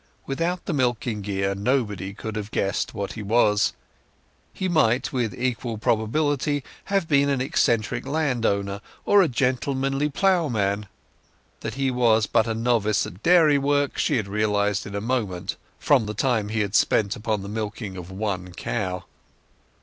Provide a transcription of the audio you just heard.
Without the milking gear nobody could have guessed what he was. He might with equal probability have been an eccentric landowner or a gentlemanly ploughman. That he was but a novice at dairy work she had realized in a moment, from the time he had spent upon the milking of one cow.